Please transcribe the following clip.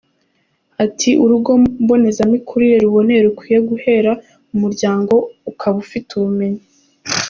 Ati “Urugo mbonezamikurire ruboneye rukwiye guhera mu muryango, ukaba ufite ubumenyi.